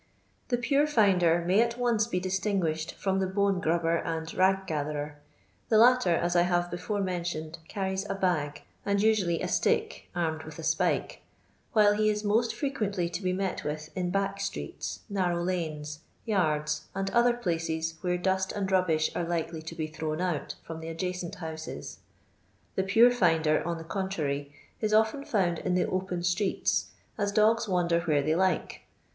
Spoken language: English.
The pnre finder miy at once be distinguished from the bone gmbber and rag gatherer ; the ktter, as I have before mentioned, carries a bag, and ntnally a stick anned with a spike, while he is moct frequently to be met with in back streets, nanow lanes, yards and other places, where dust and mbbish are likely to be thrown out from the adjacent booses. The pure finder, on the contrary, it often found in the open streeU, ns dogs wander where they like.